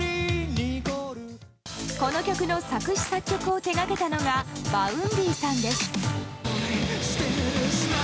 この曲の作詞・作曲を手がけたのがＶａｕｎｄｙさんです。